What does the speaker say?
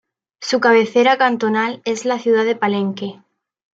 Su cabecera cantonal es la ciudad de Palenque.